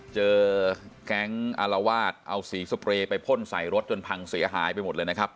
เจอแก๊งอารวาสเอาสีสเปรย์ไปพ่นใส่รถจนพังเสียหายไปหมดเลยนะครับ